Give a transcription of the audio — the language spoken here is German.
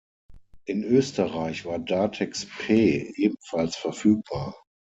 In Österreich war Datex-P ebenfalls verfügbar.